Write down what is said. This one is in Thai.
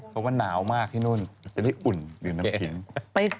เพราะว่าหนาวมากที่นู่นจะได้อุ่นดื่มน้ำแข็ง